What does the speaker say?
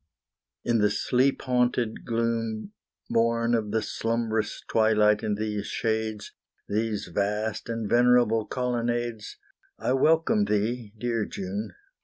In the sleep haunted gloom Born of the slumbrous twilight in these shades, These vast and venerable collonades, I welcome thee, dear June!